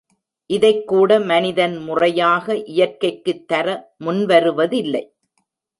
இதைக்கூட மனிதன் முறையாக இயற்கைக்குத் தர முன்வருவதில்லை.